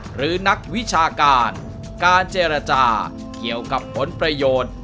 หรือนักวิชาการการเจรจาเกี่ยวกับผลประโยชน์